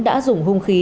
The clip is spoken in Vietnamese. đã dùng hung khí